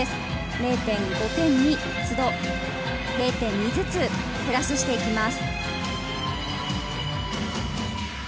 ０．５点、０．２ずつプラスしていきます。